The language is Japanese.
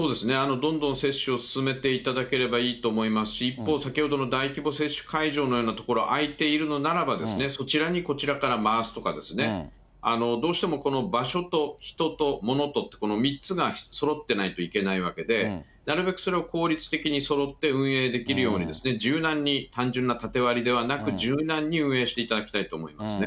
どんどん接種を進めていただければいいと思いますし、一方、先ほどの大規模接種会場のような所、空いているのならば、そちらにこちらから回すとかですね、どうしても場所と人と物とって、この３つがそろってないといけないわけで、なるべくそれを効率的にそろって運営できるように、柔軟に、単純な縦割りではなく、柔軟に運営していただきたいと思いますね。